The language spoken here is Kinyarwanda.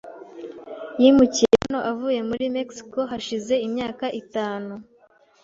Yimukiye hano avuye muri Mexico hashize imyaka itanu.